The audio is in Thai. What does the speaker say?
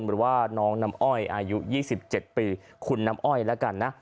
หรือว่าน้องน้ำอ้อยอายุ๒๗ปีคุณน้ำอ้อยแล้วกันนะ